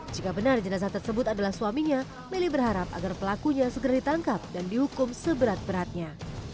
jika benar jenazah tersebut adalah suaminya meli berharap agar pelakunya segera ditangkap dan dihukum seberat beratnya